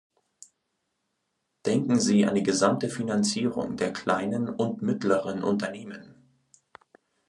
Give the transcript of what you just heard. Denken Sie an die gesamte Finanzierung der kleinen und mittleren Unternehmen.